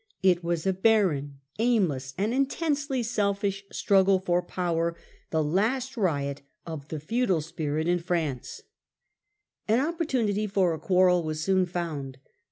It was a barren, aimless, and intensely selfish struggle for power, the last riot of the feudal spirit in F ranee. * mm ; E The New Fronde. An opportunity for a quarrel was soon lound.